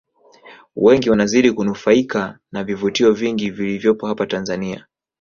Wengi wanazidi kunufaika na vivutio vingi vilivyopo hapa Tanzania